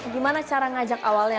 gimana cara ngajak awalnya